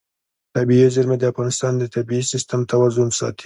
طبیعي زیرمې د افغانستان د طبعي سیسټم توازن ساتي.